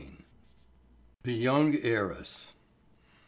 III. THE YOUNG HEIRESS.